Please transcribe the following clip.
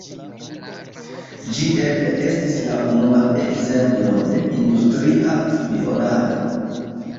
Ĝi eble estis la unua ekzemplo de industria spionado.